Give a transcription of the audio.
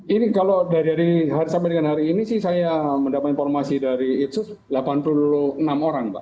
ini kalau dari sampai dengan hari ini sih saya mendapat informasi dari itsus delapan puluh enam orang pak